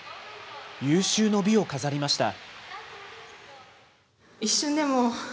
有終の美を飾りました。